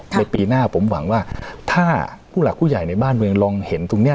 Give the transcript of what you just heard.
ในปีหน้าผมหวังว่าถ้าผู้หลักผู้ใหญ่ในบ้านเมืองลองเห็นตรงนี้